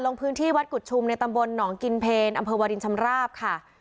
ลงพื้นที่วัดกุฎชุมในตำบลหนองกินเพลอำเภอวารินชำราบค่ะ